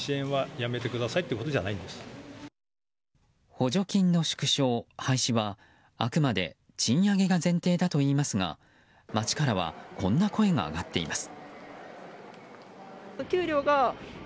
補助金の縮小・廃止はあくまで賃上げが前提だといいますが街からはこんな声が上がっています。